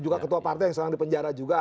juga ketua partai yang sekarang dipenjara juga